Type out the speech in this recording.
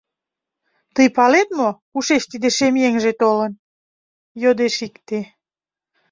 — Тый палет мо, кушеч тиде шем еҥже толын? — йодеш икте.